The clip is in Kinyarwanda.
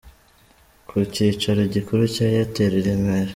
Ku kicaro gikuru cya Airtel i Remera.